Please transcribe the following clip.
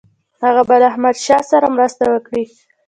هغه به له احمدشاه سره مرسته وکړي.